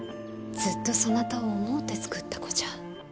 ずっとそなたを思うて作った子じゃ。